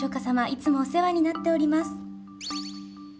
いつもお世話になっております。